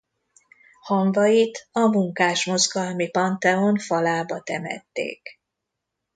Hamvait a munkásmozgalmi pantheon falába temették.